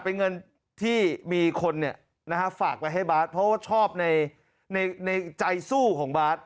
เป็นเงินที่มีคนฝากไว้ให้บาทเพราะว่าชอบในใจสู้ของบาท